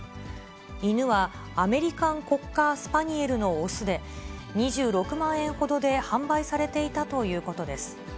犬はアメリカン・コッカー・スパニエルの雄で、２６万円ほどで販売されていたということです。